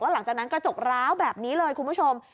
หลังจากนั้นกระจกร้าวแบบนี้เลยคุณผู้ชม